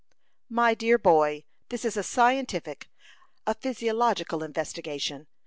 "My dear boy, this is a scientific, a physiological investigation.